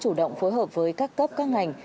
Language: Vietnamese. chủ động phối hợp với các cấp các ngành